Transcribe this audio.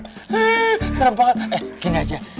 hmm serem banget eh gini aja